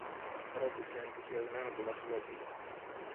ρώτησε ενθουσιασμένο το Βασιλόπουλο.